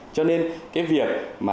cho nên cái việc mà